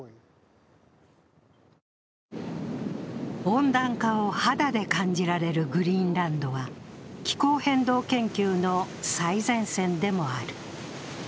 温暖化を肌で感じられるグリーンランドは気候変動研究の最前線でもある。